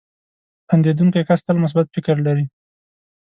• خندېدونکی کس تل مثبت فکر لري.